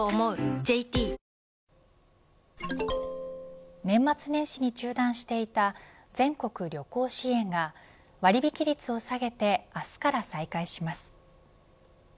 ＪＴ年末年始に中断していた全国旅行支援が割引率を下げて明日から再開します。